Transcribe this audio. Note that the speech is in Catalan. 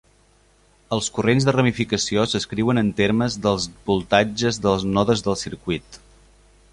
Els corrents de ramificació s'escriuen en termes dels voltatges dels nodes del circuit.